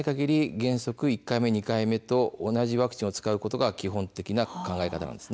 原則１回目２回目と同じワクチンを使うことが基本的な考え方です。